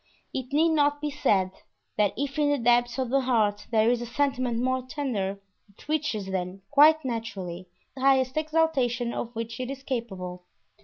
It need not be said that if in the depths of the heart there is a sentiment more tender, it reaches then, quite naturally, the highest exaltation of which it is capable.